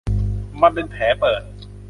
มันเป็นแผลเปิด